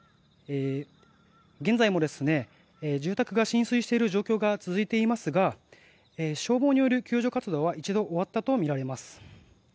現在も住宅が浸水している状況が続いていますが消防による救助活動は一度終わったとみられます。